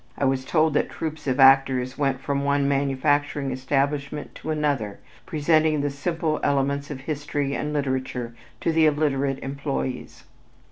I was told that troupes of actors went from one manufacturing establishment to another presenting the simple elements of history and literature to the illiterate employees.